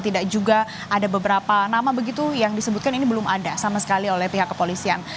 tidak juga ada beberapa nama begitu yang disebutkan ini belum ada sama sekali oleh pihak kepolisian